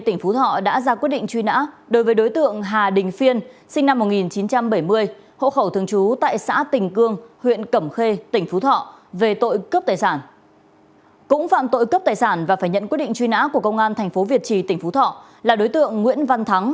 nhận quyết định truy nã của công an tp việt trì tỉnh phú thọ là đối tượng nguyễn văn thắng